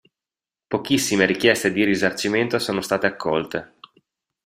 Pochissime richieste di risarcimento sono state accolte.